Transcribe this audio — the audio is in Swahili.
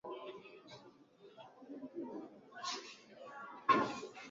tenga pembeni viazi vyako vya kupika